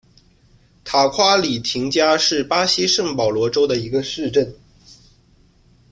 塔夸里廷加是巴西圣保罗州的一个市镇。